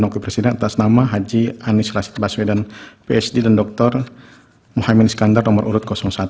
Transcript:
okipresiden atas nama haji anies rasid baswedan phd dan dr muhammad iskandar nomor urut satu